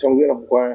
trong những năm qua